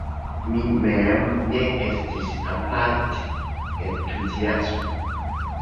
Mi mem ne estis aparte entuziasma.